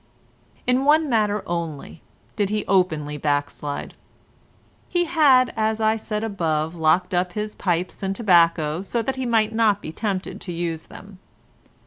In one matter only, did he openly backslide. He had, as I said above, locked up his pipes and tobacco, so that he might not be tempted to use them.